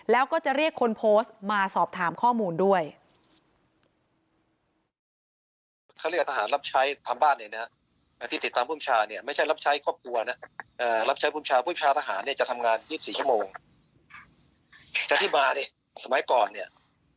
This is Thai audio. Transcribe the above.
แล้วก็จะเรียกคนโพสต์มาสอบถามข้อมูลด้วย